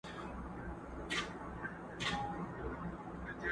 o په زور کلي نه کېږي٫